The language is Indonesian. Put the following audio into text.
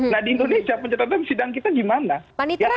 nah di indonesia pencatatan sidang kita gimana